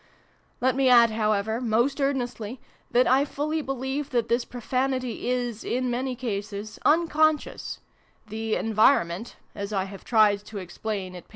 Let me add, however, most earnestly, that I fully believe that this profanity is, in many cases, wwcon scious : the ' environment ' (as I have tried to explain at p.